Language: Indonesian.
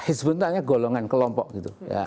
hisbun itu hanya golongan kelompok gitu